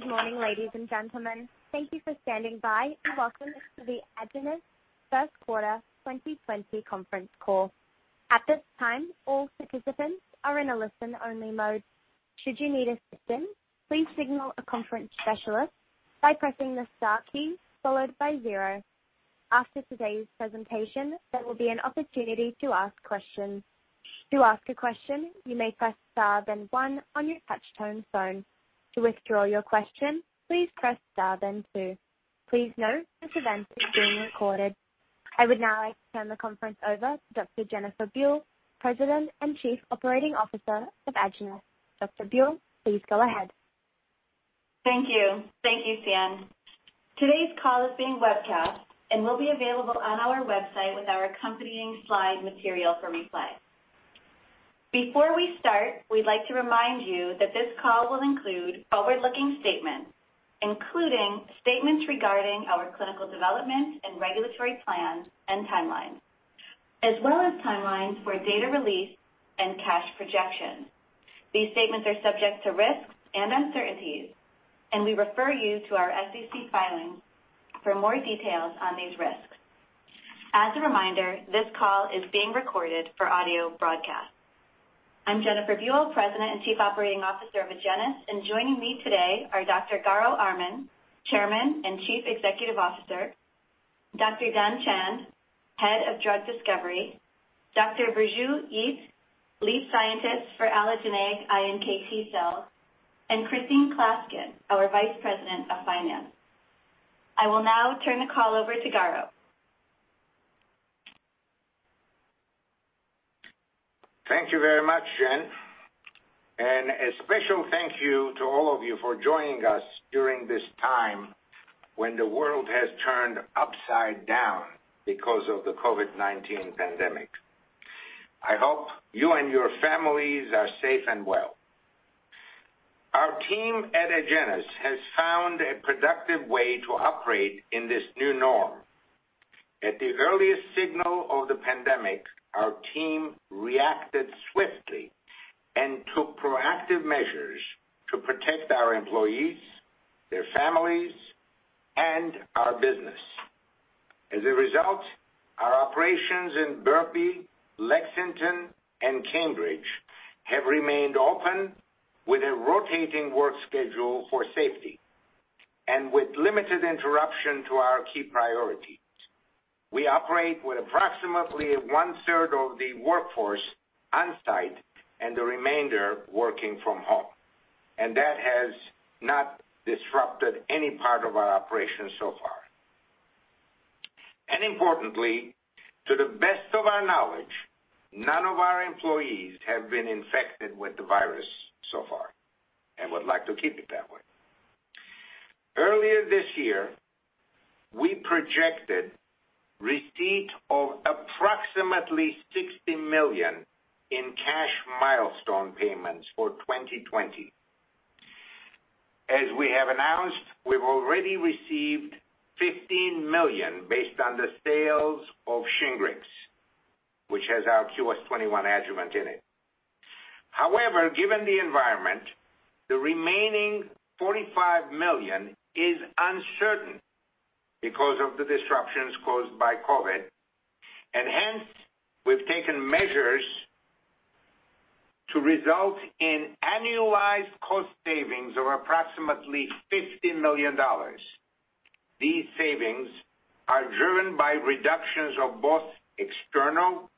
Good morning, ladies and gentlemen. Thank you for standing by, and welcome to the Agenus first quarter 2020 conference call. At this time, all participants are in a listen-only mode. Should you need assistance, please signal a conference specialist by pressing the star key followed by zero. After today's presentation, there will be an opportunity to ask questions. To ask a question, you may press star then one on your touch-tone phone. To withdraw your question, please press star then two. Please note this event is being recorded. I would now like to turn the conference over to Dr. Jennifer Buell, President and Chief Operating Officer of Agenus. Dr. Buell, please go ahead. Thank you. Thank you, Sian. Today's call is being webcast and will be available on our website with our accompanying slide material for replay. Before we start, we'd like to remind you that this call will include forward-looking statements, including statements regarding our clinical development and regulatory plans and timelines, as well as timelines for data release and cash projections. These statements are subject to risks and uncertainties, and we refer you to our SEC filings for more details on these risks. As a reminder, this call is being recorded for audio broadcast. I'm Jennifer Buell, President and Chief Operating Officer of Agenus. Joining me today are Dr. Garo Armen, Chairman and Chief Executive Officer, Dr. Dhan Chand, Head of Drug Discovery, Dr. Burcu Yigit, Lead Scientist for Allogeneic iNKT Cells, and Christine Klaskin, our Vice President of Finance. I will now turn the call over to Garo. Thank you very much, Jen. A special thank you to all of you for joining us during this time when the world has turned upside down because of the COVID-19 pandemic. I hope you and your families are safe and well. Our team at Agenus has found a productive way to operate in this new norm. At the earliest signal of the pandemic, our team reacted swiftly and took proactive measures to protect our employees, their families, and our business. As a result, our operations in Berkeley, Lexington, and Cambridge have remained open with a rotating work schedule for safety and with limited interruption to our key priorities. We operate with approximately 1/3 of the workforce on-site and the remainder working from home, and that has not disrupted any part of our operations so far. Importantly, to the best of our knowledge, none of our employees have been infected with the virus so far, and would like to keep it that way. Earlier this year, we projected receipt of approximately $60 million in cash milestone payments for 2020. As we have announced, we've already received $15 million based on the sales of SHINGRIX, which has our QS-21 adjuvant in it. However, given the environment, the remaining $45 million is uncertain because of the disruptions caused by COVID, hence, we've taken measures to result in annualized cost savings of approximately $50 million. These savings are driven by reductions of both external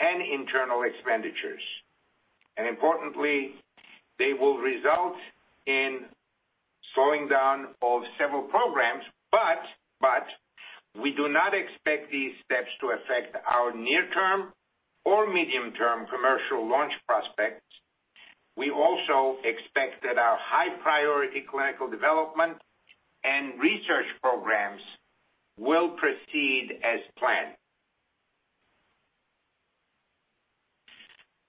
and internal expenditures. Importantly, they will result in slowing down of several programs, we do not expect these steps to affect our near-term or medium-term commercial launch prospects. We also expect that our high-priority clinical development and research programs will proceed as planned.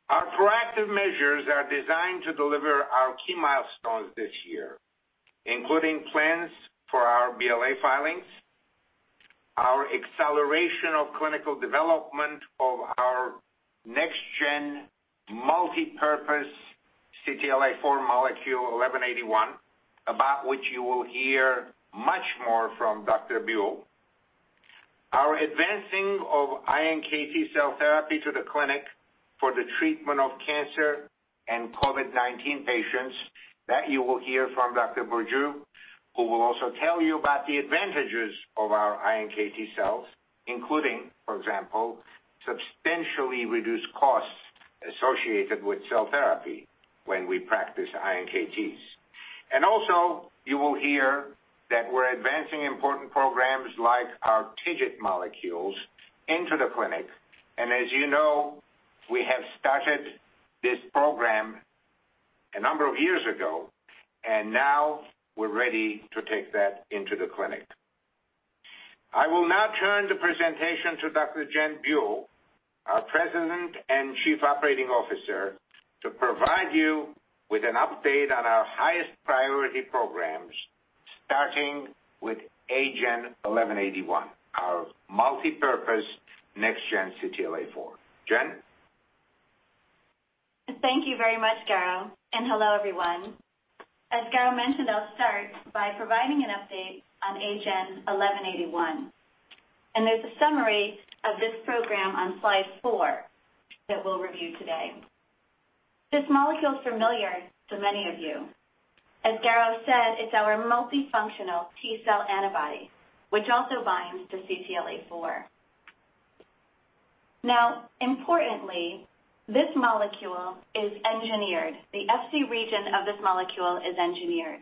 Our proactive measures are designed to deliver our key milestones this year, including plans for our BLA filings, our acceleration of clinical development of our next-gen multipurpose CTLA-4 molecule AGEN1181, about which you will hear much more from Dr. Buell. Our advancing of iNKT cell therapy to the clinic for the treatment of cancer and COVID-19 patients that you will hear from Dr. Burcu, who will also tell you about the advantages of our iNKT cells, including, for example, substantially reduced costs associated with cell therapy when we practice iNKT cells. Also you will hear that we're advancing important programs like our TIGIT molecules into the clinic. As you know, we have started this program a number of years ago, and now we're ready to take that into the clinic. I will now turn the presentation to Dr. Jen Buell, our President and Chief Operating Officer, to provide you with an update on our highest priority programs, starting with AGEN1181, our multipurpose next gen CTLA-4. Jen? Thank you very much, Garo. Hello, everyone. As Garo mentioned, I'll start by providing an update on AGEN1181. There's a summary of this program on slide four that we'll review today. This molecule is familiar to many of you. As Garo said, it's our multifunctional T cell antibody, which also binds to CTLA-4. Importantly, this molecule is engineered. The Fc region of this molecule is engineered.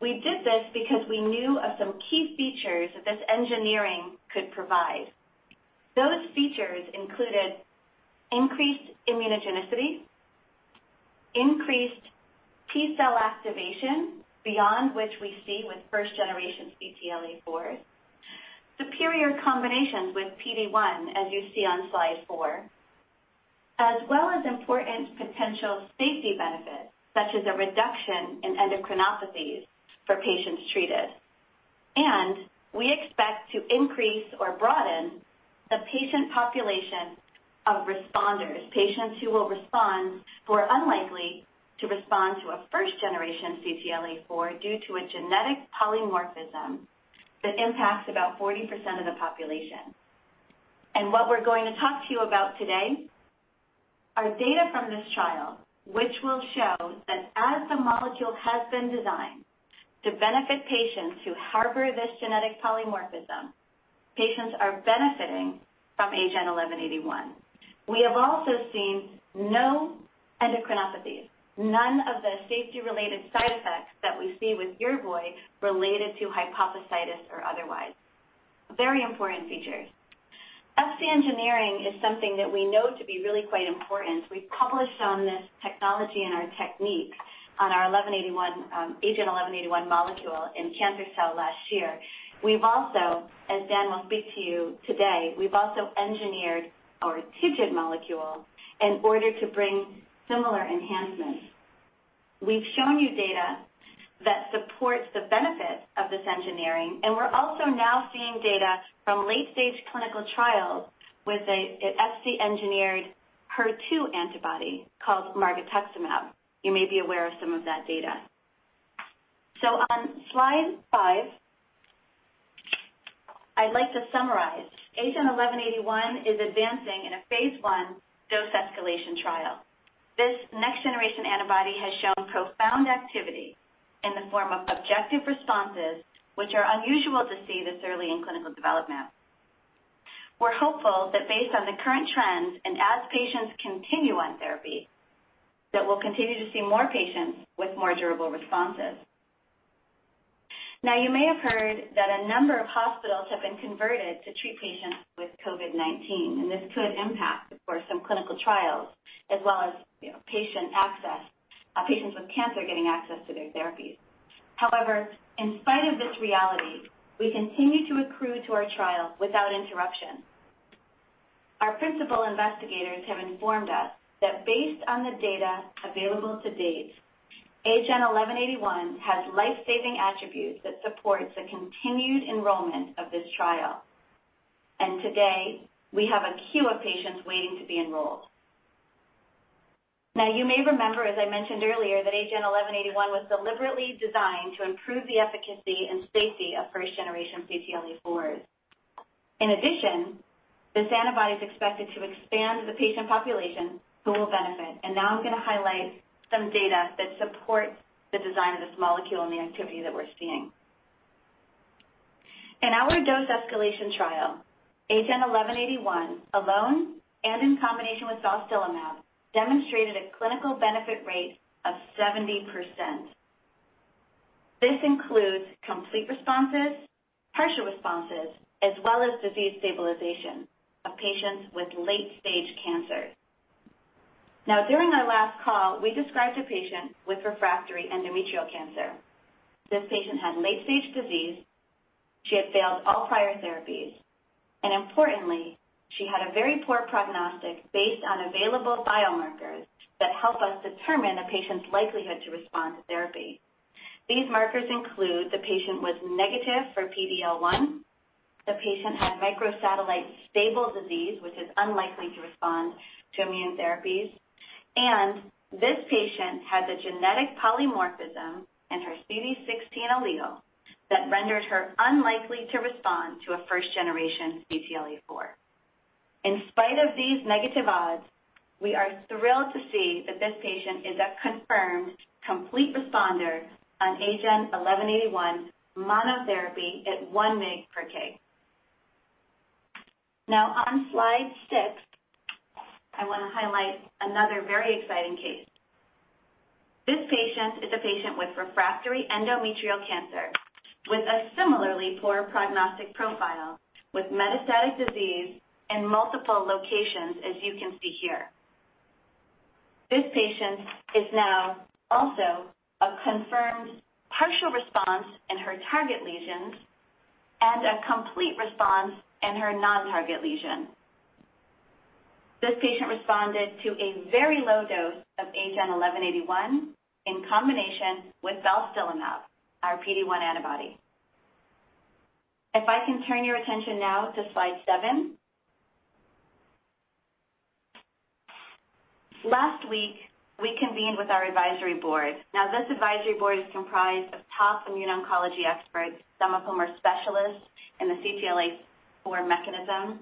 We did this because we knew of some key features that this engineering could provide. Those features included increased immunogenicity, increased T cell activation beyond which we see with first generation CTLA-4, superior combinations with PD-1, as you see on slide four, as well as important potential safety benefits, such as a reduction in endocrinopathies for patients treated. We expect to increase or broaden the patient population of responders, patients who will respond, who are unlikely to respond to a first generation CTLA-4 due to a genetic polymorphism that impacts about 40% of the population. What we're going to talk to you about today are data from this trial, which will show that as the molecule has been designed to benefit patients who harbor this genetic polymorphism, patients are benefiting from AGEN1181. We have also seen no endocrinopathies. None of the safety related side effects that we see with Yervoy related to hypophysitis or otherwise. Very important features. Fc engineering is something that we know to be really quite important. We published on this technology and our technique on our AGEN1181 molecule in "Cancer Cell" last year. We've also, as Dhan will speak to you today, we've also engineered our TIGIT molecule in order to bring similar enhancements. We've shown you data that supports the benefit of this engineering, and we're also now seeing data from late-stage clinical trials with an Fc-engineered HER2 antibody called margetuximab. You may be aware of some of that data. On slide five, I'd like to summarize. AGEN1181 is advancing in a phase I dose escalation trial. This next generation antibody has shown profound activity in the form of objective responses, which are unusual to see this early in clinical development. We're hopeful that based on the current trends, and as patients continue on therapy, that we'll continue to see more patients with more durable responses. Now, you may have heard that a number of hospitals have been converted to treat patients with COVID-19, and this could impact, of course, some clinical trials as well as patients with cancer getting access to their therapies. However, in spite of this reality, we continue to accrue to our trial without interruption. Our principal investigators have informed us that based on the data available to date, AGEN1181 has life-saving attributes that supports the continued enrollment of this trial. Today, we have a queue of patients waiting to be enrolled. Now, you may remember, as I mentioned earlier, that AGEN1181 was deliberately designed to improve the efficacy and safety of first generation CTLA-4s. In addition, this antibody is expected to expand the patient population who will benefit. Now, I'm going to highlight some data that supports the design of this molecule and the activity that we're seeing. In our dose escalation trial, AGEN1181 alone and in combination with dostarlimab demonstrated a clinical benefit rate of 70%. This includes complete responses, partial responses, as well as disease stabilization of patients with late-stage cancers. Now, during our last call, we described a patient with refractory endometrial cancer. This patient had late-stage disease. She had failed all prior therapies, and importantly, she had a very poor prognostic based on available biomarkers that help us determine a patient's likelihood to respond to therapy. These markers include the patient was negative for PD-L1. The patient had microsatellite stable disease, which is unlikely to respond to immune therapies. This patient had the genetic polymorphism in her CD16 allele that rendered her unlikely to respond to a first generation CTLA-4. In spite of these negative odds, we are thrilled to see that this patient is a confirmed complete responder on AGEN1181 monotherapy at 1 mg per kg. Now, on slide six, I want to highlight another very exciting case. This patient is a patient with refractory endometrial cancer with a similarly poor prognostic profile with metastatic disease in multiple locations as you can see here. This patient is now also a confirmed partial response in her target lesions and a complete response in her non-target lesion. This patient responded to a very low dose of AGEN1181 in combination with dostarlimab, our PD-1 antibody. If I can turn your attention now to slide seven. Last week, we convened with our advisory board. This advisory board is comprised of top immune oncology experts, some of whom are specialists in the CTLA-4 mechanism,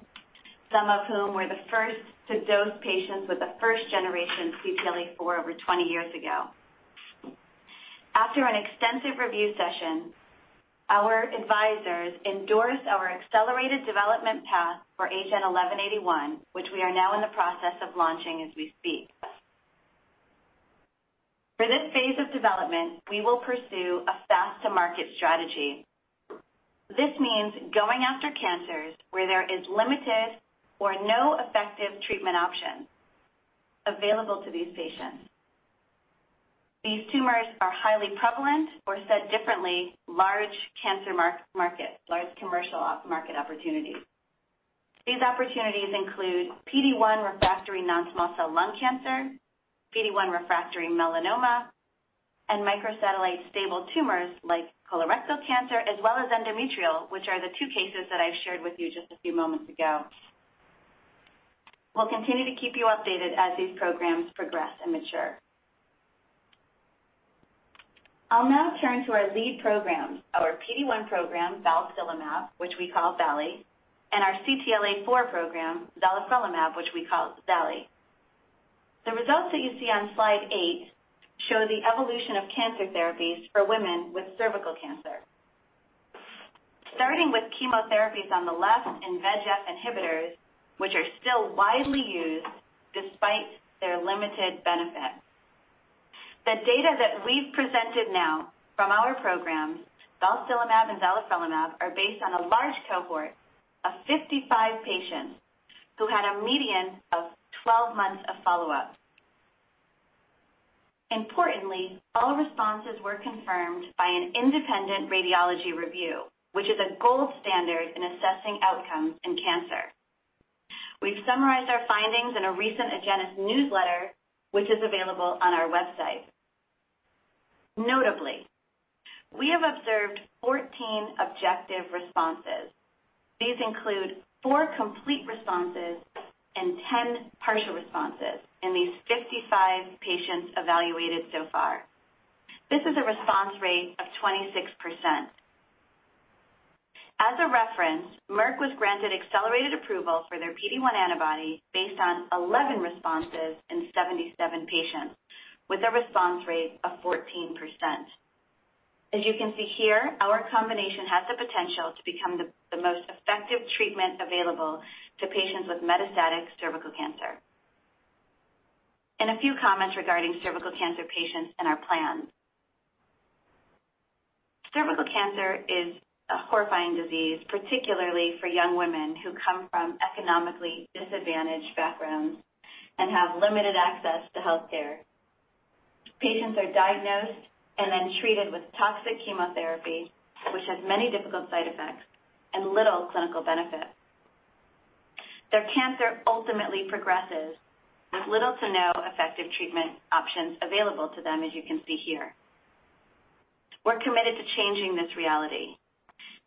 some of whom were the first to dose patients with the first generation CTLA-4 over 20 years ago. After an extensive review session, our advisors endorsed our accelerated development path for AGEN1181, which we are now in the process of launching as we speak. For this phase of development, we will pursue a fast-to-market strategy. This means going after cancers where there is limited or no effective treatment option available to these patients. These tumors are highly prevalent or, said differently, large cancer markets, large commercial market opportunities. These opportunities include PD-1 refractory non-small cell lung cancer, PD-1 refractory melanoma, and microsatellite stable tumors like colorectal cancer, as well as endometrial, which are the two cases that I shared with you just a few moments ago. We'll continue to keep you updated as these programs progress and mature. I'll now turn to our lead programs, our PD-1 program, balstilimab, which we call Bali, and our CTLA-4 program, zalifrelimab, which we call Zali. The results that you see on slide eight show the evolution of cancer therapies for women with cervical cancer. Starting with chemotherapies on the left and VEGF inhibitors, which are still widely used despite their limited benefit. The data that we've presented now from our programs, balstilimab and zalifrelimab, are based on a large cohort of 55 patients who had a median of 12 months of follow-up. Importantly, all responses were confirmed by an independent radiology review, which is a gold standard in assessing outcomes in cancer. We've summarized our findings in a recent Agenus newsletter, which is available on our website. Notably, we have observed 14 objective responses. These include four complete responses and 10 partial responses in these 55 patients evaluated so far. This is a response rate of 26%. As a reference, Merck was granted accelerated approval for their PD-1 antibody based on 11 responses in 77 patients, with a response rate of 14%. As you can see here, our combination has the potential to become the most effective treatment available to patients with metastatic cervical cancer. A few comments regarding cervical cancer patients and our plans. Cervical cancer is a horrifying disease, particularly for young women who come from economically disadvantaged backgrounds and have limited access to healthcare. Patients are diagnosed and then treated with toxic chemotherapy, which has many difficult side effects and little clinical benefit. Their cancer ultimately progresses with little to no effective treatment options available to them, as you can see here. We're committed to changing this reality.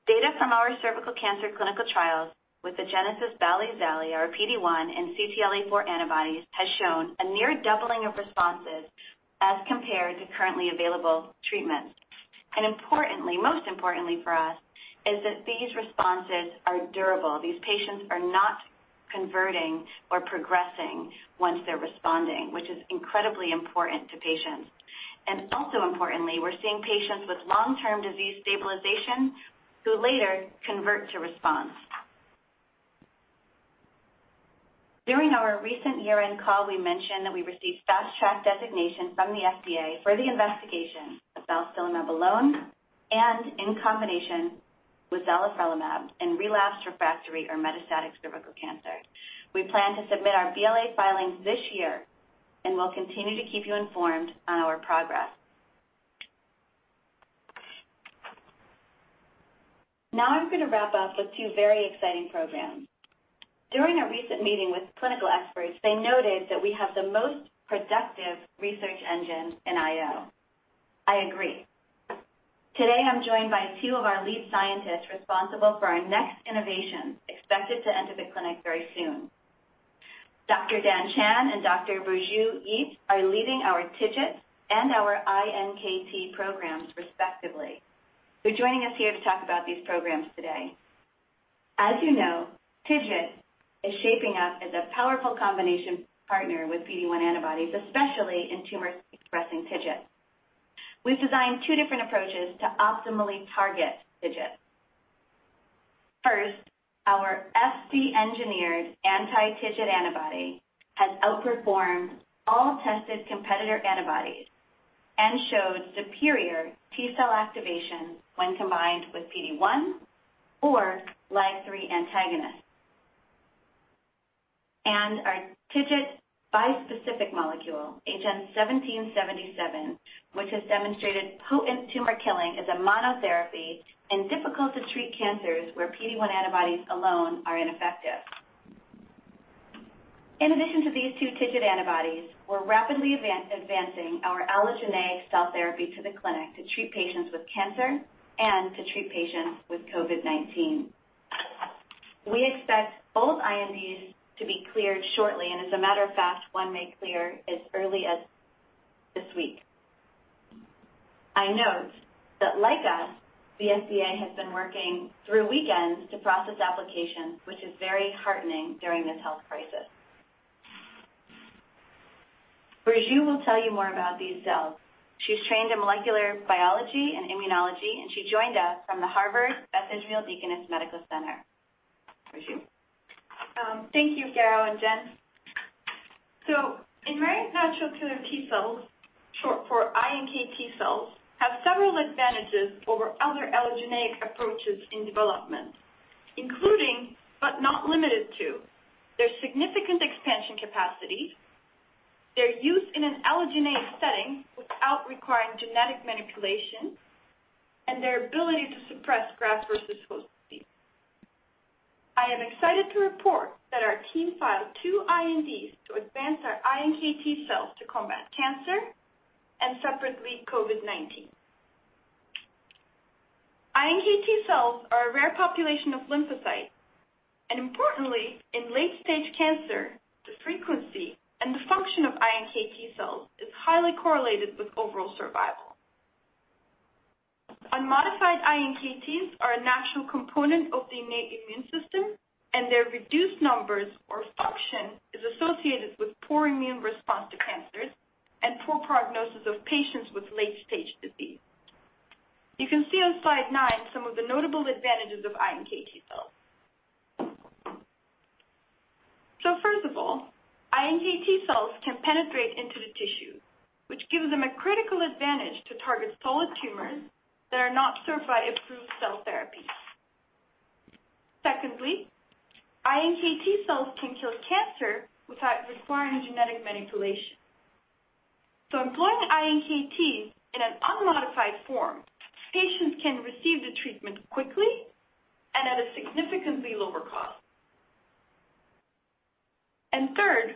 Data from our cervical cancer clinical trials with Agenus' Bali/Zali, our PD-1 and CTLA-4 antibodies, has shown a near doubling of responses as compared to currently available treatments. Importantly, most importantly for us, is that these responses are durable. These patients are not converting or progressing once they're responding, which is incredibly important to patients. Also importantly, we're seeing patients with long-term disease stabilization who later convert to response. During our recent year-end call, we mentioned that we received Fast Track designation from the FDA for the investigation of balstilimab alone and in combination with zalifrelimab in relapsed, refractory, or metastatic cervical cancer. We plan to submit our BLA filings this year, and we'll continue to keep you informed on our progress. Now, I'm going to wrap up with two very exciting programs. During a recent meeting with clinical experts, they noted that we have the most productive research engine in IO. I agree. Today, I'm joined by two of our lead scientists responsible for our next innovations, expected to enter the clinic very soon. Dr. Dhan Chand and Dr. Burcu Yigit are leading our TIGIT and our iNKT programs respectively, who are joining us here to talk about these programs today. As you know, TIGIT is shaping up as a powerful combination partner with PD-1 antibodies, especially in tumors expressing TIGIT. We've designed two different approaches to optimally target TIGIT. First, our Fc-engineered anti-TIGIT antibody has outperformed all tested competitor antibodies and showed superior T cell activation when combined with PD-1 or LAG-3 antagonists. Our TIGIT bispecific molecule, AGEN1777, which has demonstrated potent tumor killing as a monotherapy in difficult-to-treat cancers where PD-1 antibodies alone are ineffective. In addition to these two TIGIT antibodies, we're rapidly advancing our allogeneic cell therapy to the clinic to treat patients with cancer and to treat patients with COVID-19. We expect both INDs to be cleared shortly, and as a matter of fact, one may clear as early as this week. I note that like us, the FDA has been working through weekends to process applications, which is very heartening during this health crisis. Burcu will tell you more about these cells. She's trained in molecular biology and immunology, and she joined us from the Harvard Beth Israel Deaconess Medical Center. Burcu? Thank you, Garo and Jen. Invariant natural killer T cells, short for iNKT cells, have several advantages over other allogeneic approaches in development, including but not limited to their significant expansion capacity, their use in an allogeneic setting without requiring genetic manipulation, and their ability to suppress graft versus host disease. I am excited to report that our team filed two INDs to advance our iNKT cells to combat cancer, and separately COVID-19. iNKT cells are a rare population of lymphocytes, and importantly, in late stage cancer, the frequency and the function of iNKT cells is highly correlated with overall survival. Unmodified iNKTs are a natural component of the innate immune system, and their reduced numbers or function is associated with poor immune response to cancers and poor prognosis of patients with late-stage disease. You can see on slide nine some of the notable advantages of iNKT cells. First of all, iNKT cells can penetrate into the tissue, which gives them a critical advantage to target solid tumors that are not served by approved cell therapy. Secondly, iNKT cells can kill cancer without requiring genetic manipulation. Employing iNKT in an unmodified form, patients can receive the treatment quickly and at a significantly lower cost. Third,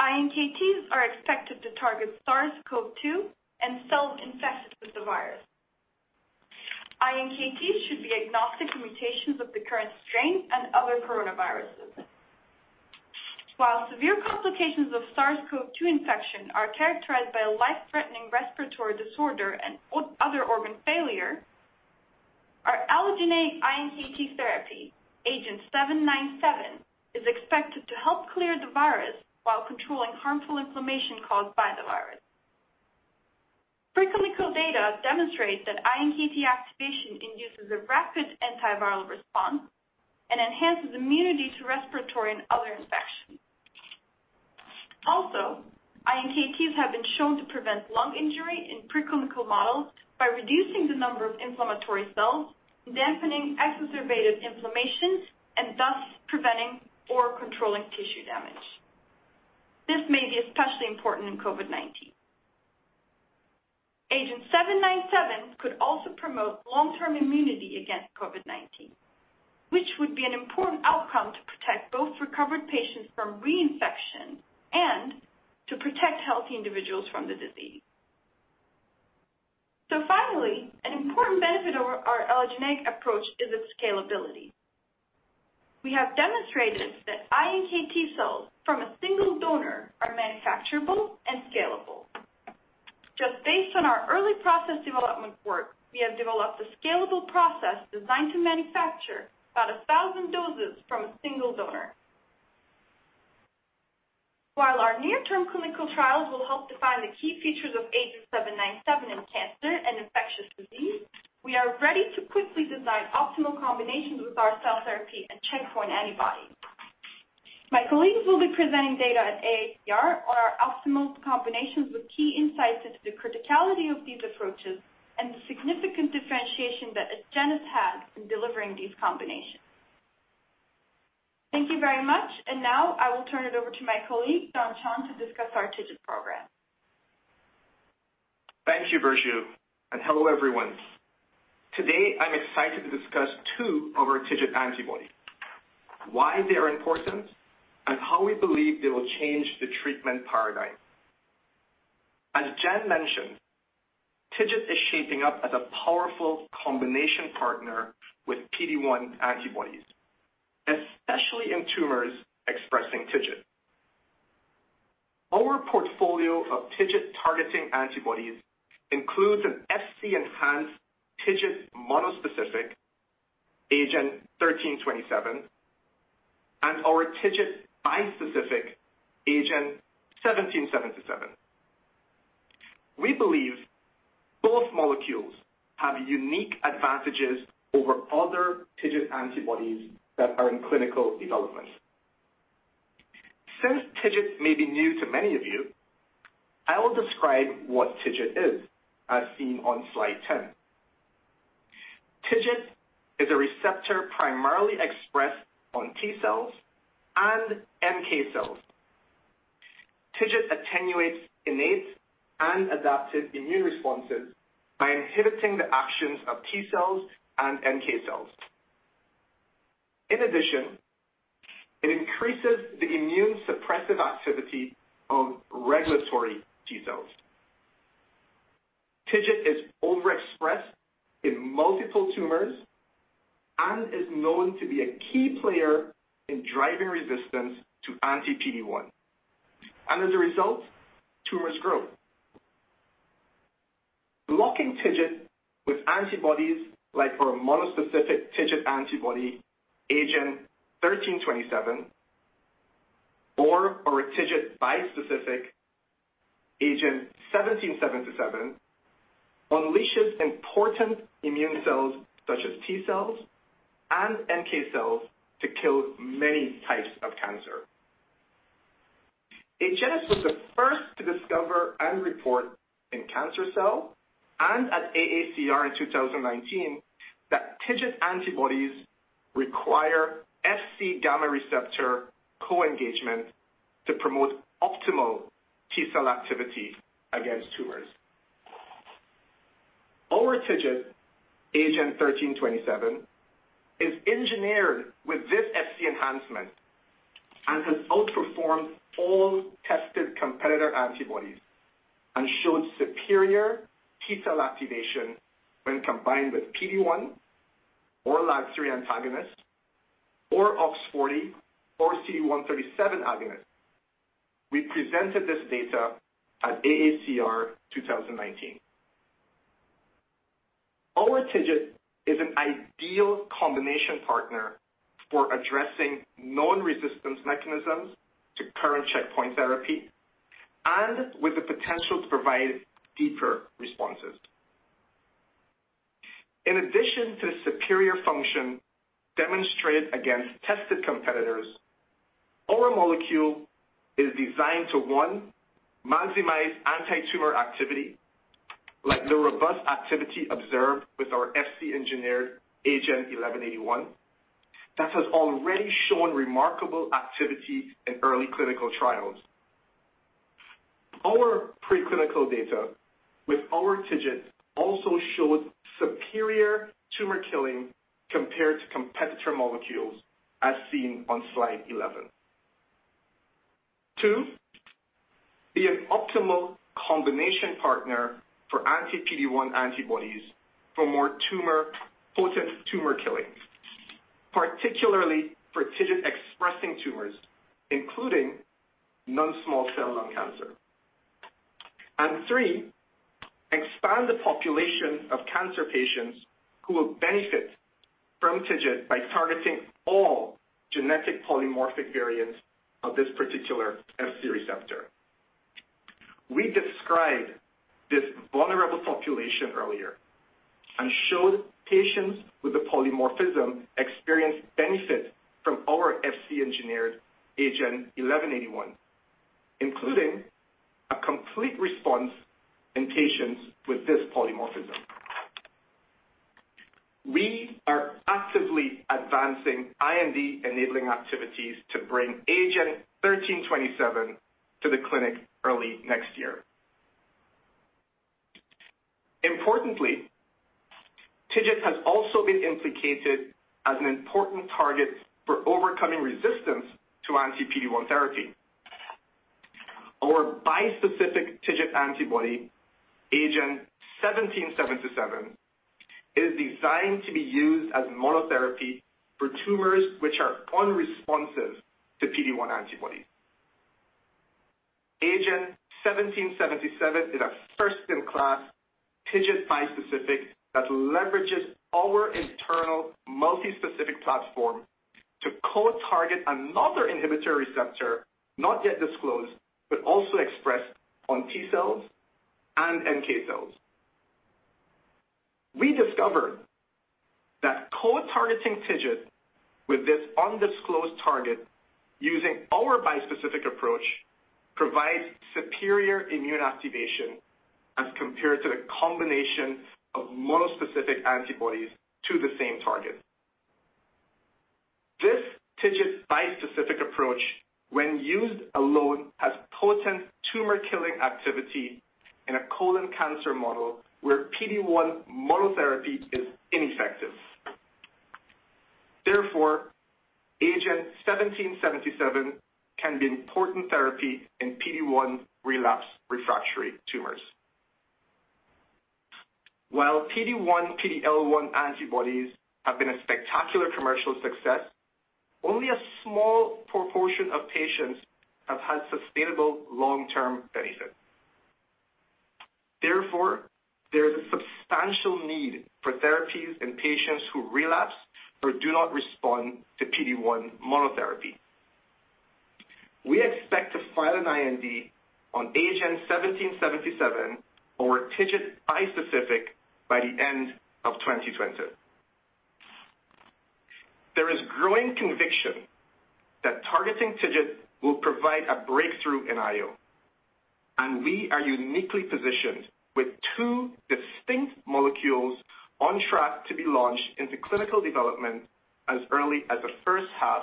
iNKTs are expected to target SARS-CoV-2 and cells infected with the virus. iNKTs should be agnostic to mutations of the current strain and other coronaviruses. While severe complications of SARS-CoV-2 infection are characterized by a life-threatening respiratory disorder and other organ failure, our allogeneic iNKT therapy, agenT-797, is expected to help clear the virus while controlling harmful inflammation caused by the virus. Preclinical data demonstrates that iNKT activation induces a rapid antiviral response and enhances immunity to respiratory and other infections. Also, iNKTs have been shown to prevent lung injury in preclinical models by reducing the number of inflammatory cells, dampening exacerbative inflammation, and thus preventing or controlling tissue damage. This may be especially important in COVID-19. AgenT-797 could also promote long-term immunity against COVID-19, which would be an important outcome to protect both recovered patients from reinfection and to protect healthy individuals from the disease. Finally, an important benefit of our allogeneic approach is its scalability. We have demonstrated that iNKT cells from a single donor are manufacturable and scalable. Just based on our early process development work, we have developed a scalable process designed to manufacture about 1,000 doses from a single donor. While our near-term clinical trials will help define the key features of agenT-797 in cancer and infectious disease, we are ready to quickly design optimal combinations with our cell therapy and checkpoint antibody. My colleagues will be presenting data at AACR on our optimal combinations with key insights into the criticality of these approaches and the significant differentiation that Agenus has in delivering these combinations. Thank you very much. Now, I will turn it over to my colleague, Dhan Chand, to discuss our TIGIT program. Thank you, Burcu, and hello, everyone. Today, I'm excited to discuss two of our TIGIT antibodies, why they are important, and how we believe they will change the treatment paradigm. As Jen mentioned, TIGIT is shaping up as a powerful combination partner with PD-1 antibodies, especially in tumors expressing TIGIT. Our portfolio of TIGIT-targeting antibodies includes an Fc-enhanced TIGIT monospecific AGEN1327, and our TIGIT bispecific AGEN1777. We believe both molecules have unique advantages over other TIGIT antibodies that are in clinical development. Since TIGIT may be new to many of you, I will describe what TIGIT is, as seen on slide 10. TIGIT is a receptor primarily expressed on T cells and NK cells. TIGIT attenuates innate and adaptive immune responses by inhibiting the actions of T cells and NK cells. In addition, it increases the immune suppressive activity of regulatory T cells. TIGIT is overexpressed in multiple tumors and is known to be a key player in driving resistance to anti-PD-1, and as a result, tumors grow. Blocking TIGIT with antibodies like our monospecific TIGIT antibody, AGEN1327, or our TIGIT bispecific, AGEN1777, unleashes important immune cells such as T cells and NK cells to kill many types of cancer. Agenus was the first to discover and report in "Cancer Cell" and at AACR in 2019 that TIGIT antibodies require Fc gamma receptor co-engagement to promote optimal T cell activity against tumors. Our TIGIT, AGEN1327, is engineered with this Fc enhancement and has outperformed all tested competitor antibodies and showed superior T cell activation when combined with PD-1 or LAG-3 antagonists or OX40 or CD137 agonists. We presented this data at AACR 2019. Our TIGIT is an ideal combination partner for addressing known resistance mechanisms to current checkpoint therapy and with the potential to provide deeper responses. In addition to the superior function demonstrated against tested competitors, our molecule is designed to, one, maximize anti-tumor activity like the robust activity observed with our Fc-engineered AGEN1181 that has already shown remarkable activity in early clinical trials. Our pre-clinical data with our TIGIT also showed superior tumor killing compared to competitor molecules as seen on slide 11. Two, be an optimal combination partner for anti-PD-1 antibodies for more potent tumor killing, particularly for TIGIT-expressing tumors, including non-small cell lung cancer. Three, expand the population of cancer patients who will benefit from TIGIT by targeting all genetic polymorphic variants of this particular Fc receptor. We described this vulnerable population earlier and showed patients with the polymorphism experienced benefit from our Fc-engineered AGEN1181, including a complete response in patients with this polymorphism. We are actively advancing IND-enabling activities to bring AGEN1327 to the clinic early next year. Importantly, TIGIT has also been implicated as an important target for overcoming resistance to anti-PD-1 therapy. Our bispecific TIGIT antibody, AGEN1777, is designed to be used as monotherapy for tumors which are unresponsive to PD-1 antibodies. AGEN1777 is a first-in-class TIGIT bispecific that leverages our internal multi-specific platform to co-target another inhibitor receptor, not yet disclosed, but also expressed on T cells and NK cells. We discovered that co-targeting TIGIT with this undisclosed target using our bispecific approach provides superior immune activation as compared to the combination of monospecific antibodies to the same target. This TIGIT bispecific approach, when used alone, has potent tumor killing activity in a colon cancer model where PD-1 monotherapy is ineffective. Therefore, AGEN1777 can be an important therapy in PD-1 relapse refractory tumors. While PD-1, PD-L1 antibodies have been a spectacular commercial success, only a small proportion of patients have had sustainable long-term benefit. Therefore, there is a substantial need for therapies in patients who relapse or do not respond to PD-1 monotherapy. We expect to file an IND on AGEN1777, our TIGIT bispecific, by the end of 2020. There is growing conviction that targeting TIGIT will provide a breakthrough in IO. We are uniquely positioned with two distinct molecules on track to be launched into clinical development as early as the first half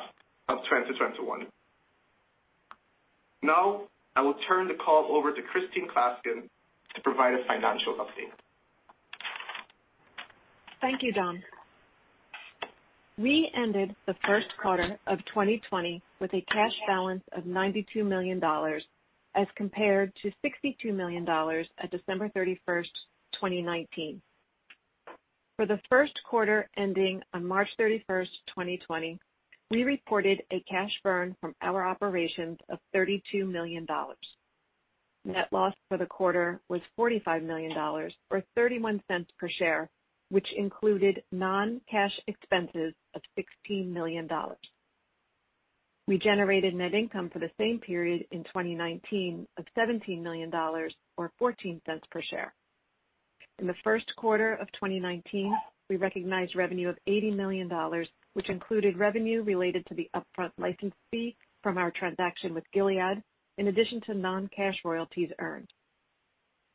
of 2021. I will turn the call over to Christine Klaskin to provide a financial update. Thank you, Dhan. We ended the first quarter of 2020 with a cash balance of $92 million as compared to $62 million at December 31st, 2019. For the first quarter ending on March 31st, 2020, we reported a cash burn from our operations of $32 million. Net loss for the quarter was $45 million, or $0.31 per share, which included non-cash expenses of $16 million. We generated net income for the same period in 2019 of $17 million or $0.14 per share. In the first quarter of 2019, we recognized revenue of $80 million, which included revenue related to the upfront license fee from our transaction with Gilead, in addition to non-cash royalties earned.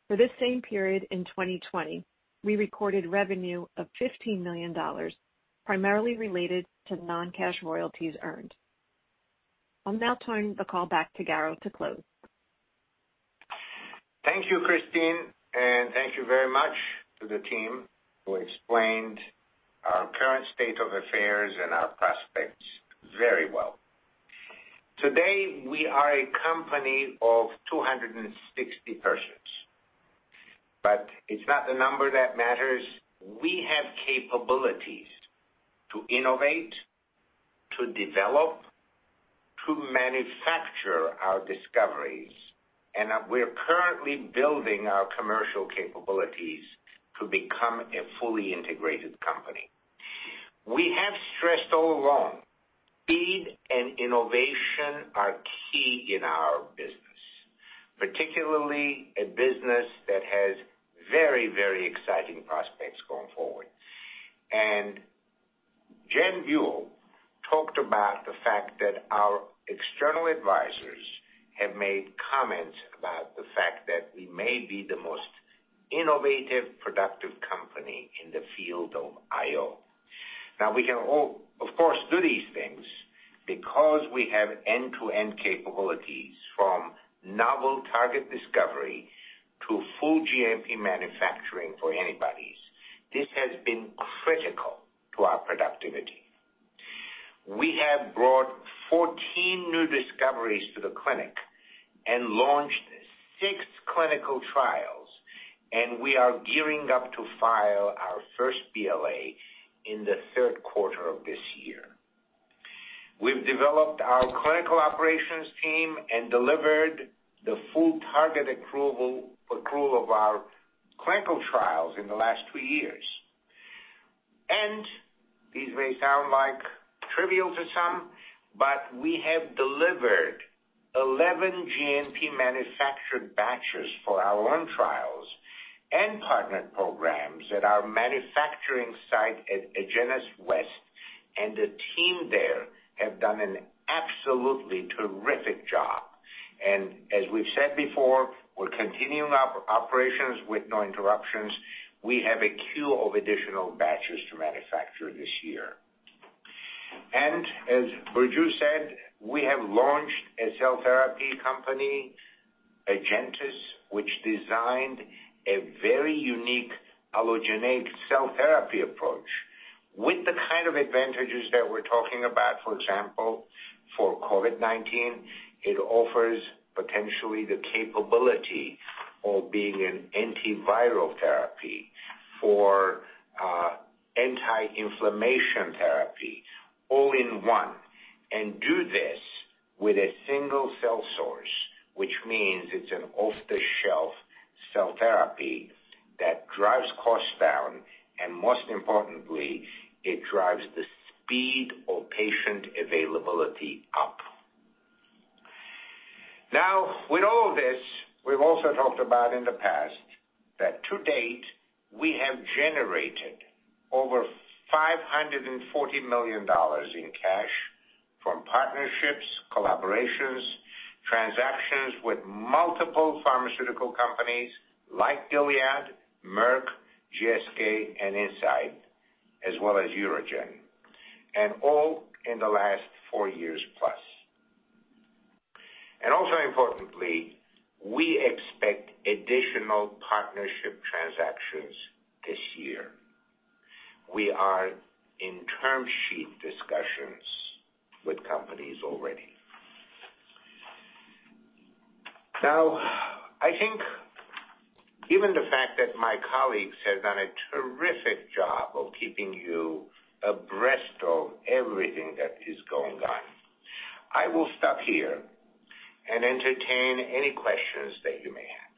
For this same period in 2020, we recorded revenue of $15 million, primarily related to non-cash royalties earned. I'll now turn the call back to Garo to close. Thank you, Christine, and thank you very much to the team who explained our current state of affairs and our prospects very well. Today, we are a company of 260 persons, but it's not the number that matters. We have capabilities to innovate, to develop, to manufacture our discoveries. We're currently building our commercial capabilities to become a fully integrated company. We have stressed all along, speed and innovation are key in our business, particularly a business that has very exciting prospects going forward. Jen Buell talked about the fact that our external advisors have made comments about the fact that we may be the most innovative, productive company in the field of IO. Now, we can all, of course, do these things because we have end-to-end capabilities, from novel target discovery to full GMP manufacturing for antibodies. This has been critical to our productivity. We have brought 14 new discoveries to the clinic and launched six clinical trials. We are gearing up to file our first BLA in the third quarter of this year. We've developed our clinical operations team and delivered the full target approval of our clinical trials in the last two years. These may sound trivial to some, but we have delivered 11 GMP-manufactured batches for our own trials and partnered programs at our manufacturing site at Agenus West. The team there have done an absolutely terrific job. As we've said before, we're continuing our operations with no interruptions. We have a queue of additional batches to manufacture this year. As Burcu said, we have launched a cell therapy company, AgenTus, which designed a very unique allogeneic cell therapy approach with the kind of advantages that we're talking about. For example, for COVID-19, it offers potentially the capability of being an antiviral therapy for anti-inflammation therapy all in one, and do this with a single cell source, which means it's an off-the-shelf cell therapy that drives costs down, and most importantly, it drives the speed of patient availability up. With all this, we've also talked about in the past that to date, we have generated over $540 million in cash from partnerships, collaborations, transactions with multiple pharmaceutical companies like Gilead, Merck, GSK, and Incyte, as well as UroGen, and all in the last four years plus. Also importantly, we expect additional partnership transactions this year. We are in term sheet discussions with companies already. I think given the fact that my colleagues have done a terrific job of keeping you abreast of everything that is going on, I will stop here and entertain any questions that you may have.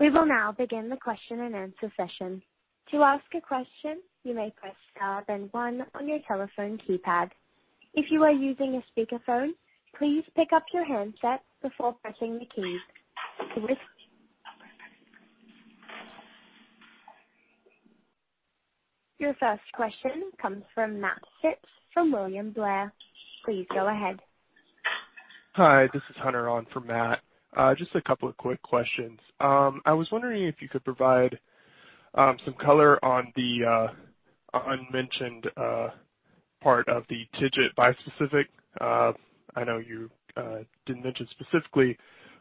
We will now begin the question-and-answer session. To ask a question, you may press star then one on your telephone keypad. If you are using a speakerphone, please pick up your handset before pressing the key. To withdraw. Your first question comes from Matt Phipps from William Blair. Please go ahead. Hi, this is Hunter on for Matt. Just a couple of quick questions. I was wondering if you could provide some color on the unmentioned part of the TIGIT bispecific. I know you didn't mention specifically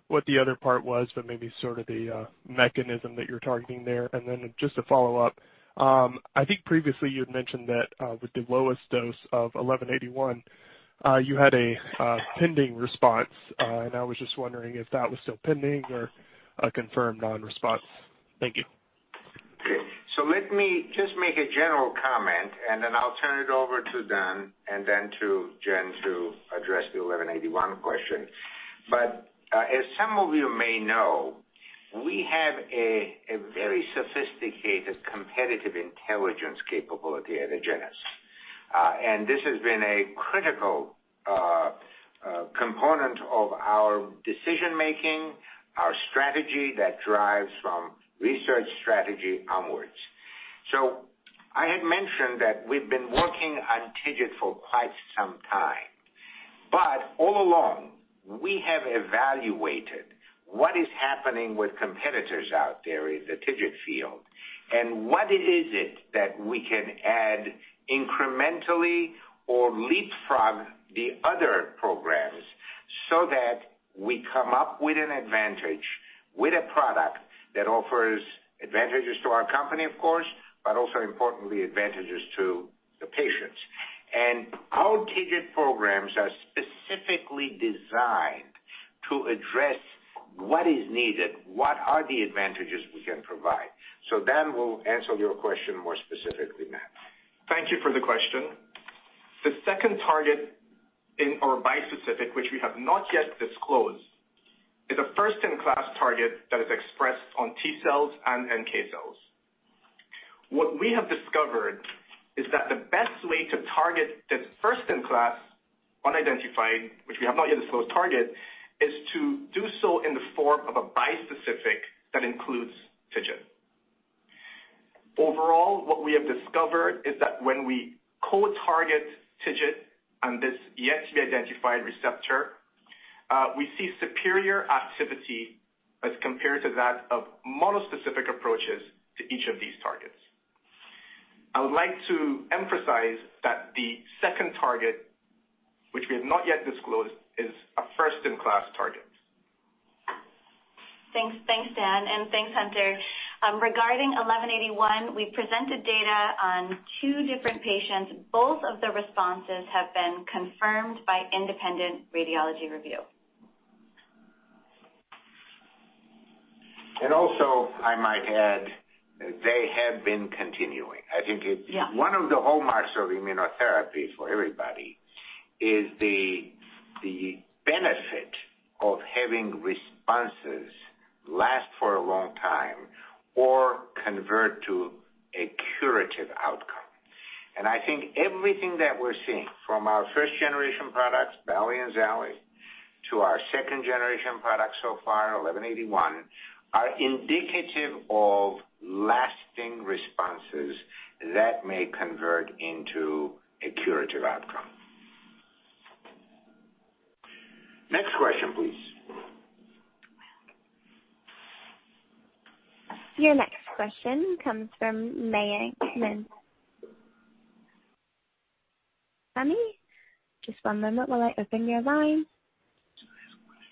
what the other part was, but maybe sort of the mechanism that you're targeting there. Then just a follow-up. I think previously you had mentioned that with the lowest dose of AGEN1181, you had a pending response, and I was just wondering if that was still pending or a confirmed non-response. Thank you. Let me just make a general comment, and then I'll turn it over to Dhan, and then to Jen to address the AGEN1181 question. As some of you may know, we have a very sophisticated competitive intelligence capability at Agenus. This has been a critical component of our decision-making, our strategy that drives from research strategy onwards. I had mentioned that we've been working on TIGIT for quite some time, but all along we have evaluated what is happening with competitors out there in the TIGIT field, and what is it that we can add incrementally or leapfrog the other programs so that we come up with an advantage, with a product that offers advantages to our company, of course, but also importantly, advantages to the patients. Our TIGIT programs are specifically designed to address what is needed, what are the advantages we can provide. Dhan will answer your question more specifically, Matt. Thank you for the question. The second target in our bispecific, which we have not yet disclosed, is a first-in-class target that is expressed on T cells and NK cells. What we have discovered is that the best way to target this first-in-class unidentified, which we have not yet disclosed target, is to do so in the form of a bispecific that includes TIGIT. Overall, what we have discovered is that when we co-target TIGIT on this yet-to-be-identified receptor, we see superior activity as compared to that of monospecific approaches to each of these targets. I would like to emphasize that the second target, which we have not yet disclosed, is a first-in-class target. Thanks, Dhan, and thanks, Hunter. Regarding AGEN1181, we presented data on two different patients. Both of the responses have been confirmed by independent radiology review. Also, I might add, they have been continuing. Yeah. I think it's one of the hallmarks of immunotherapy for everybody is the benefit of having responses last for a long time or convert to a curative outcome. I think everything that we're seeing from our first-generation products, Bali and Zali, to our second-generation product so far, AGEN1181, are indicative of lasting responses that may convert into a curative outcome. Next question, please. Your next question comes from Mayank Mamtani. Mayank? Just one moment while I open your line.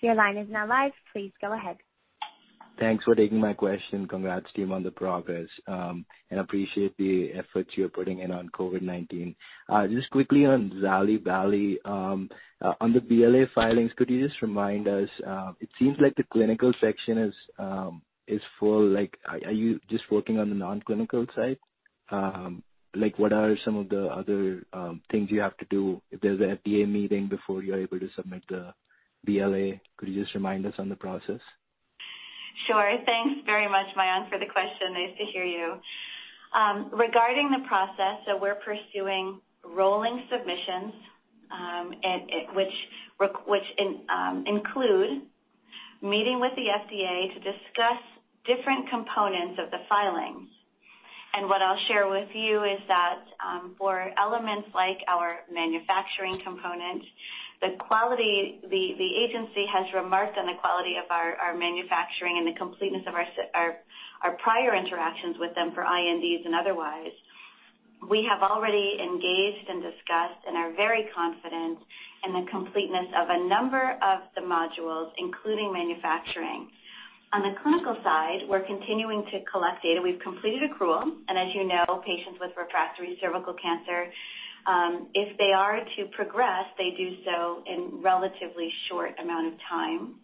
Your line is now live. Please go ahead. Thanks for taking my question. Congrats to you on the progress, and appreciate the efforts you're putting in on COVID-19. Just quickly on Zali, Bali, on the BLA filings, could you just remind us, it seems like the clinical section is full. Are you just working on the non-clinical side? What are some of the other things you have to do if there's an FDA meeting before you're able to submit the BLA? Could you just remind us on the process? Sure. Thanks very much, Mayank, for the question. Nice to hear you. Regarding the process, we're pursuing rolling submissions, which include meeting with the FDA to discuss different components of the filings. What I'll share with you is that for elements like our manufacturing component, the agency has remarked on the quality of our manufacturing and the completeness of our prior interactions with them for INDs and otherwise. We have already engaged and discussed and are very confident in the completeness of a number of the modules, including manufacturing. On the clinical side, we're continuing to collect data. We've completed accrual, and as you know, patients with refractory cervical cancer, if they are to progress, they do so in relatively short amount of time.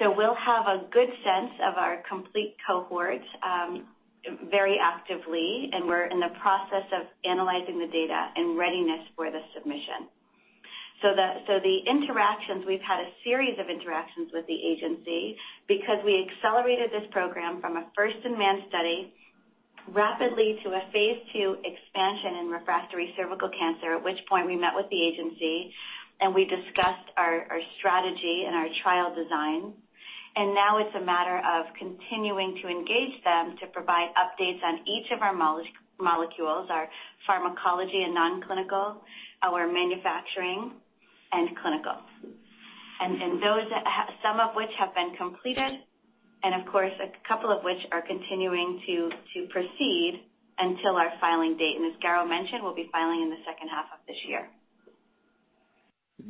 We'll have a good sense of our complete cohort very actively, and we're in the process of analyzing the data in readiness for the submission. The interactions, we've had a series of interactions with the agency because we accelerated this program from a first-in-man study rapidly to a phase II expansion in refractory cervical cancer, at which point we met with the agency and we discussed our strategy and our trial design. Now, it's a matter of continuing to engage them to provide updates on each of our molecules, our pharmacology and non-clinical, our manufacturing and clinical. Some of which have been completed and, of course, a couple of which are continuing to proceed until our filing date. As Garo mentioned, we'll be filing in the second half of this year.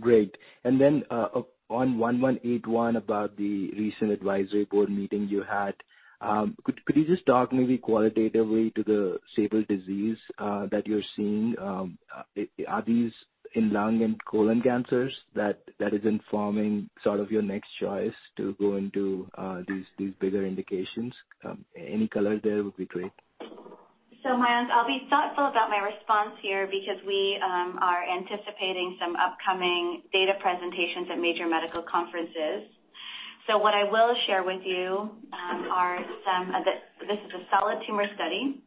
Great. Then on AGEN1181, about the recent advisory board meeting you had, could you just talk maybe qualitatively to the stable disease that you're seeing? Are these in lung and colon cancers that is informing sort of your next choice to go into these bigger indications? Any color there would be great. Mayank, I'll be thoughtful about my response here because we are anticipating some upcoming data presentations at major medical conferences. What I will share with you, this is a solid tumor study,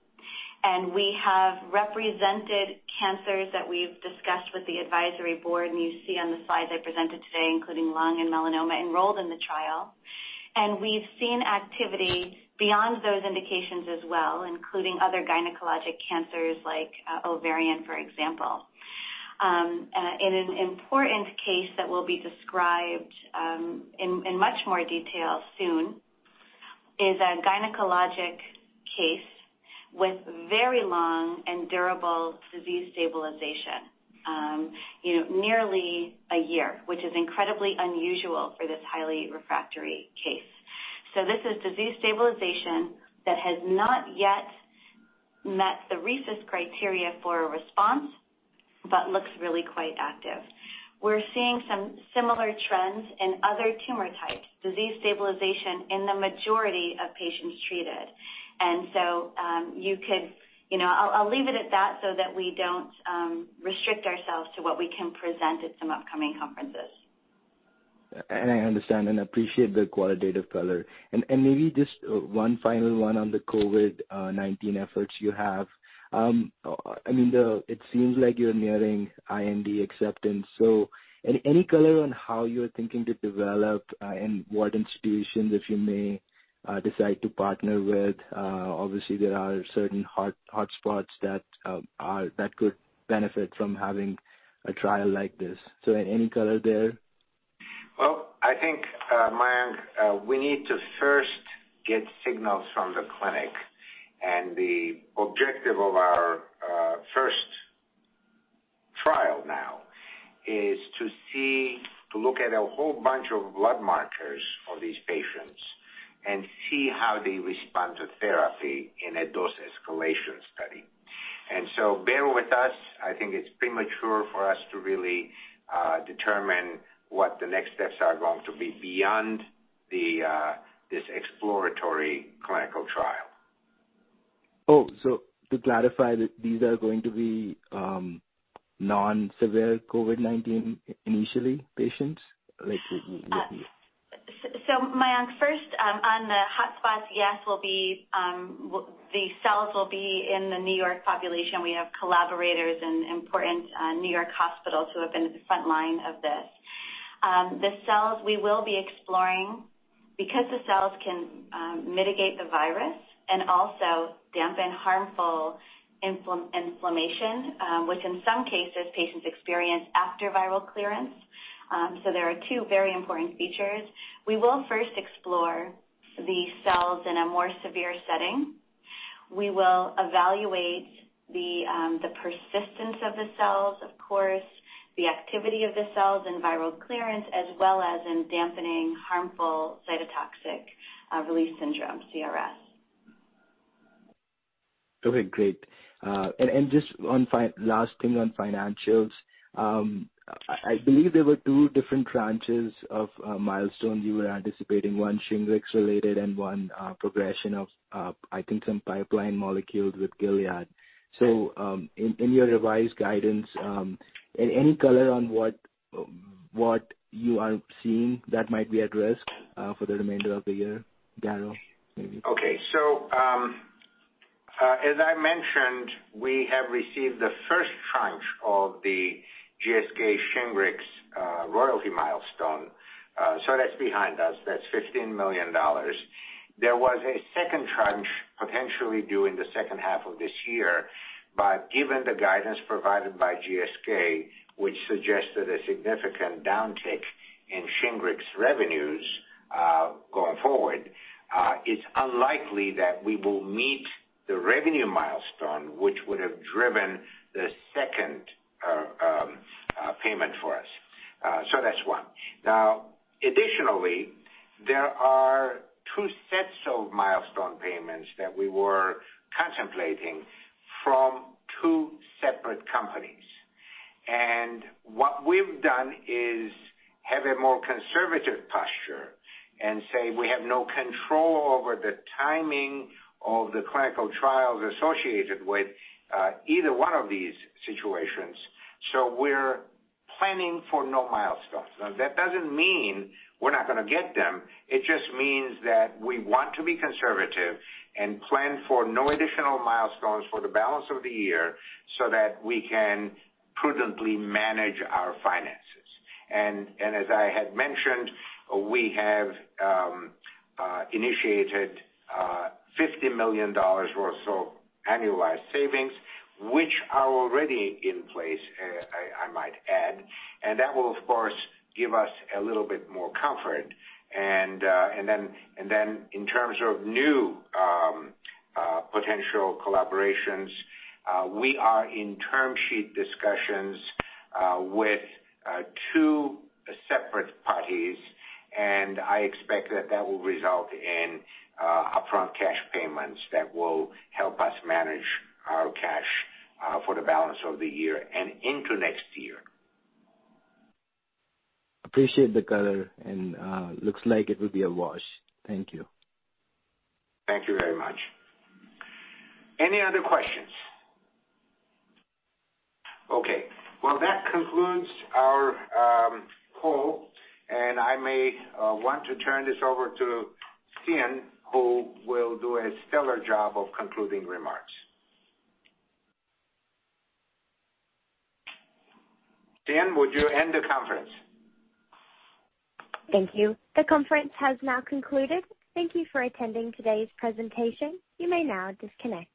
and we have represented cancers that we've discussed with the advisory board, and you see on the slides I presented today, including lung and melanoma enrolled in the trial. We've seen activity beyond those indications as well, including other gynecologic cancers like ovarian, for example. In an important case that will be described in much more detail soon is a gynecologic case with very long and durable disease stabilization. Nearly a year, which is incredibly unusual for this highly refractory case. This is disease stabilization that has not yet met the RECIST criteria for a response, but looks really quite active. We're seeing some similar trends in other tumor types, disease stabilization in the majority of patients treated. I'll leave it at that so that we don't restrict ourselves to what we can present at some upcoming conferences. I understand and appreciate the qualitative color. Maybe just one final one on the COVID-19 efforts you have. It seems like you're nearing IND acceptance. Any color on how you're thinking to develop and what institutions, if you may, decide to partner with? Obviously, there are certain hotspots that could benefit from having a trial like this. Any color there? Well, I think, Mayank, we need to first get signals from the clinic. The objective of our first trial now is to look at a whole bunch of blood markers of these patients and see how they respond to therapy in a dose escalation study. Bear with us, I think it's premature for us to really determine what the next steps are going to be beyond this exploratory clinical trial. To clarify, these are going to be non-severe COVID-19, initially, patients? Mayank, first on the hotspots, yes, the cells will be in the New York population. We have collaborators in important New York hospitals who have been at the frontline of this. The cells we will be exploring, because the cells can mitigate the virus and also dampen harmful inflammation, which in some cases, patients experience after viral clearance. There are two very important features. We will first explore the cells in a more severe setting. We will evaluate the persistence of the cells, of course, the activity of the cells and viral clearance, as well as in dampening harmful cytokine release syndrome, CRS. Okay, great. Just last thing on financials. I believe there were two different tranches of milestones you were anticipating, one SHINGRIX related and one progression of, I think some pipeline molecules with Gilead. In your revised guidance, any color on what you are seeing that might be at risk for the remainder of the year, Garo, maybe? As I mentioned, we have received the first tranche of the GSK SHINGRIX royalty milestone. That's behind us. That's $15 million. There was a second tranche potentially due in the second half of this year, but given the guidance provided by GSK, which suggested a significant downtick in SHINGRIX revenues going forward, it's unlikely that we will meet the revenue milestone, which would have driven the second payment for us. That's one. Additionally, there are two sets of milestone payments that we were contemplating from two separate companies. What we've done is have a more conservative posture and say we have no control over the timing of the clinical trials associated with either one of these situations. We're planning for no milestones. That doesn't mean we're not going to get them. It just means that we want to be conservative and plan for no additional milestones for the balance of the year so that we can prudently manage our finances. As I had mentioned, we have initiated $50 million or so annualized savings, which are already in place, I might add, and that will, of course, give us a little bit more comfort. In terms of new potential collaborations, we are in term sheet discussions with two separate parties, and I expect that that will result in upfront cash payments that will help us manage our cash for the balance of the year and into next year. Appreciate the color, and looks like it will be a wash. Thank you. Thank you very much. Any other questions? Okay. Well, that concludes our call, and I may want to turn this over to Sian, who will do a stellar job of concluding remarks. Sian, would you end the conference? Thank you. The conference has now concluded. Thank you for attending today's presentation. You may now disconnect.